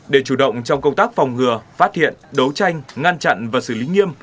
để chủ động trong công tác phòng ngừa phát hiện đấu tranh ngăn chặn và xử lý nghiêm